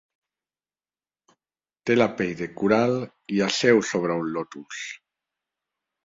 Té la pell de coral i asseu sobre un lotus.